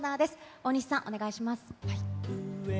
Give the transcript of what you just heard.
大西さん、お願いします。